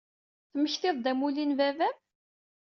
Temmektid-d amulli n baba-m?